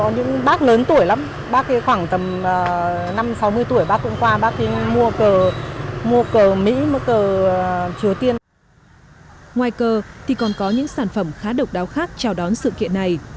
ngoài cơ thì còn có những sản phẩm khá độc đáo khác chào đón sự kiện này